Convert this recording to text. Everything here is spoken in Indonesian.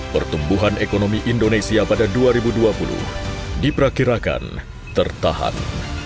pertumbuhan ekonomi indonesia pada dua ribu dua puluh diperkirakan tertahan